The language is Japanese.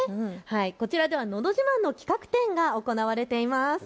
こちらでは、のど自慢の企画展が行われています。